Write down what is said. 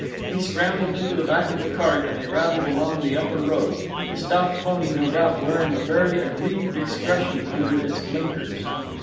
He scrambled into the back of the cart and they rattled along the upper road, the stout pony no doubt wearing a very aggrieved expression under its blinkers.